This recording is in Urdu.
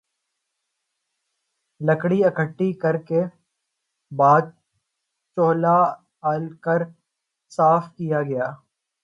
لکڑی اکٹھی کر کے بعد چولہا ال کر صاف کیا گیا